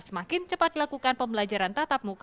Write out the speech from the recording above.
semakin cepat dilakukan pembelajaran tatap muka